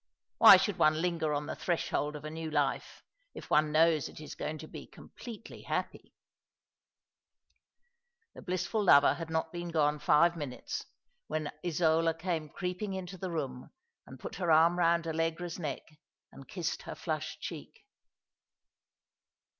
Why should one linger on the threshold of a new life, if one knows it is going to be completely happy ?" The blissful lover had not beon gone five minutes when Isola came creeping into the room, and put her arm round Allegra's neck and kissed her flushed cheek.